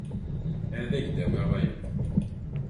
Ad ak-d-awiɣ wayeḍ.